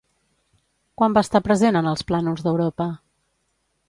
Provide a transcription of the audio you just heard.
Quan va estar present en els plànols d'Europa?